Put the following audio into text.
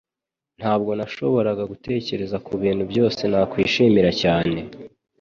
Ntabwo nashoboraga gutekereza kubintu byose nakwishimira cyane